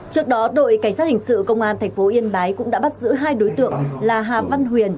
trước đó đội cảnh sát hình sự công an tp yên bái cũng đã bắt giữ hai đối tượng là hà văn huyền